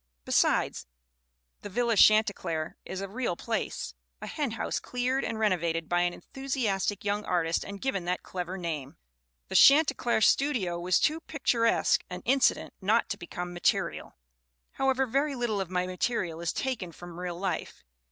Besides, the Villa Chan tecler is a real place a henhouse cleared and reno vated by an enthusiastic young artist and given that clever name. The Chantecler studio was too pictur esque an incident not to become material. "However, very little of my material is taken from real life.